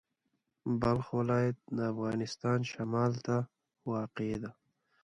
بلخ ولایت د افغانستان شمال ته واقع دی.